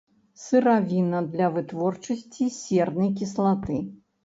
Сыравіна для вытворчасці сернай кіслаты.